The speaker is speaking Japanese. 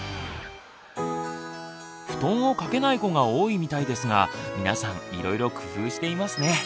布団を掛けない子が多いみたいですが皆さんいろいろ工夫していますね。